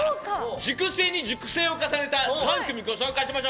熟成に熟成を重ねた３組ご紹介します。